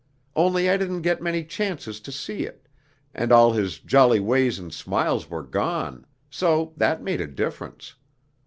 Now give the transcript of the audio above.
Only I didn't get many chances to see it, and all his jolly ways and smiles were gone, so that made a difference.